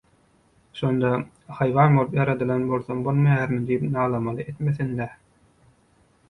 Şonda “Haýwan bolup ýaradylan bolsam bolmaýarmy” diýip nalamaly etmesin-dä…